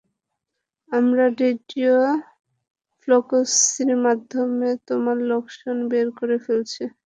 আমরা radio frequency মাধ্যমে তোমার লোকেশন বের করে ফেলেছি।